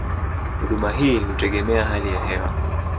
Huduma hii hutegemea hali ya hewa.